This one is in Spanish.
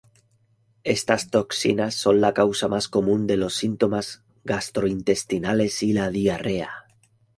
Estas toxinas son la causa más común de los síntomas gastrointestinales y la diarrea.